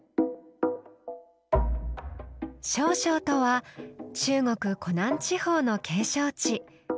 「瀟湘」とは中国湖南地方の景勝地。